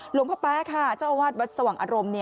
หลวงพ่อแป๊ค่ะเจ้าอาวาสวัดสว่างอารมณ์